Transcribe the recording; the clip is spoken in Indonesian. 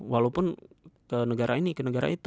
walaupun ke negara ini ke negara itu